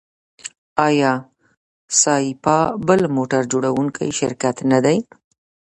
آیا سایپا بل موټر جوړوونکی شرکت نه دی؟